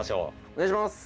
お願いします！